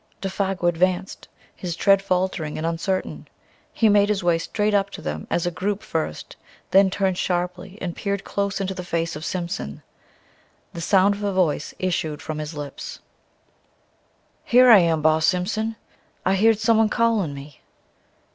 Défago advanced, his tread faltering and uncertain; he made his way straight up to them as a group first, then turned sharply and peered close into the face of Simpson. The sound of a voice issued from his lips "Here I am, Boss Simpson. I heered someone calling me."